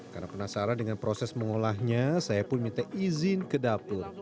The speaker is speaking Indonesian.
karena penasaran dengan proses mengolahnya saya pun minta izin ke dapur